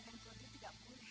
bahkan juragan kodir tidak bisa